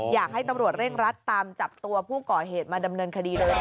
อยากให้ตำรวจเร่งรัดตามจับตัวผู้ก่อเหตุมาดำเนินคดีเลย